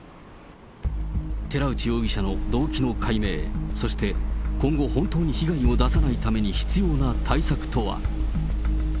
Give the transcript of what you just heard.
寺内容疑者の動機の解明、そして今後、本当に被害を出さないために必要な対策とは。